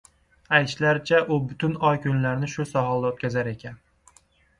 Aytishlaricha, u butun oy-kunlarini shu sohilda oʻtkazar ekan.